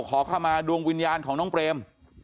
ขอเข้ามาดวงวิญญาณของน้องเปรม